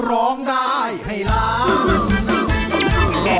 ร้องได้ให้ล้าน